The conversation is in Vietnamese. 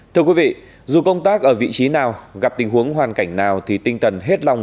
thưa quý vị dù công tác ở vị trí nào gặp tình huống hoàn cảnh nào thì tinh tần hết lòng